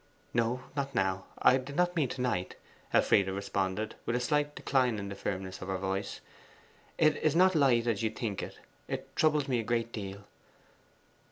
'No, not now. I did not mean to night,' Elfride responded, with a slight decline in the firmness of her voice. 'It is not light as you think it it troubles me a great deal.